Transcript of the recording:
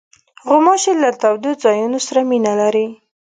غوماشې له تودو ځایونو سره مینه لري.